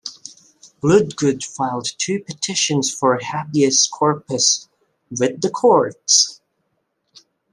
Bloodgood filed two petitions for habeas corpus with the courts.